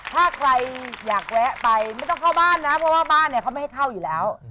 ถ้าใครอยากแวะไปไม่ต้องเข้าบ้านนะเพราะว่าบ้านเนี่ยเขาไม่ให้เข้าอยู่แล้ว